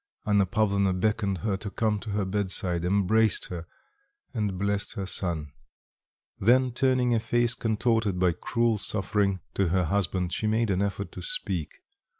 Anna Pavlovna beckoned her to come to her bedside, embraced her, and blessed her son; then turning a face contorted by cruel suffering to her husband she made an effort to speak.